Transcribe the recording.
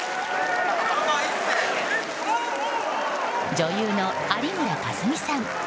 女優の有村架純さん。